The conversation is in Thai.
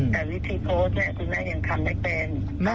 แต่วิธีโพสต์เนี่ยคุณแม่ยังทำไม่เป็น